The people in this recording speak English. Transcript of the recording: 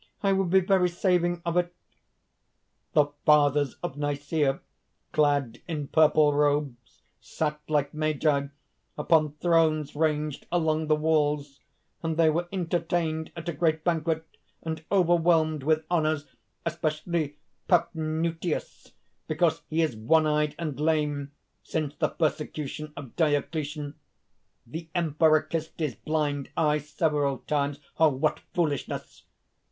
I would be very saving of it.... "The fathers of Nicæa, clad in purple robes, sat like magi, upon thrones ranged along the walls; and they were entertained at a great banquet and overwhelmed with honours, especially Paphnutius, because he is one eyed and lame, since the persecution of Diocletian! The Emperor kissed his blind eye several times; what foolishness!